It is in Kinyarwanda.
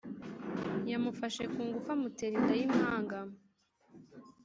Yamufashe kungufu amutera inda y’impanga